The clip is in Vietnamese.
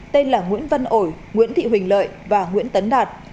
tên là nguyễn văn ồi nguyễn thị huỳnh lợi và nguyễn tấn đạt